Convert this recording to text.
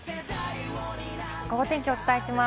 ゴゴ天気お伝えします。